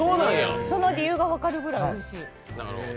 その理由が分かるくらいおいしい。